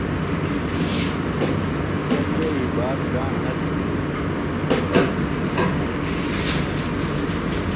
سےۡ یئی بات کاݨ نہ تھی دےۡ۔